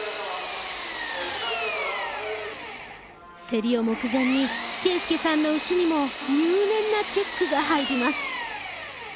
競りを目前に啓介さんの牛にも入念なチェックが入ります。